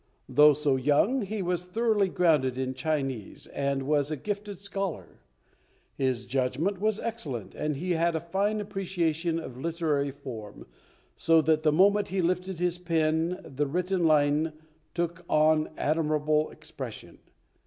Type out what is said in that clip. Though so young, he was thoroughly grounded in Chinese, and was a gifted scholar. His judgment was excellent, and he had a fine appreciation of literary form, so that the moment he lifted his pen the written line took on admirable expression.